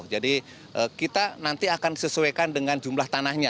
jadi kita nanti akan sesuaikan dengan jumlah tanahnya